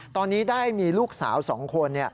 ตอนนี้ได้มีลูกสาว๒คน